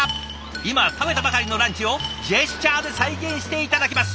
今食べたばかりのランチをジェスチャーで再現して頂きます。